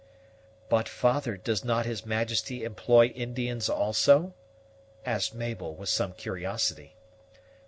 "But, father, does not his Majesty employ Indians also?" asked Mabel, with some curiosity.